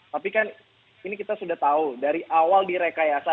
tapi kan ini kita sudah tahu dari awal direkayasa